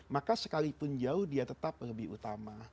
maka sekalipun jauh dia tetap lebih utama